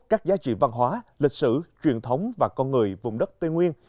các giá trị văn hóa lịch sử truyền thống và con người vùng đất tây nguyên